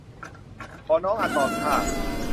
ขอน้องอะตอมท่า